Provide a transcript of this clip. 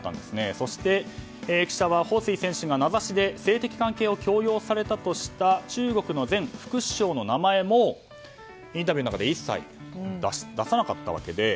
そして記者はホウ・スイ選手が名指しで性的関係を強要されたとした中国の前副首相の名前もインタビューの中では一切出さなかったわけで。